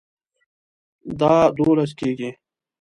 دا دوولس کیږي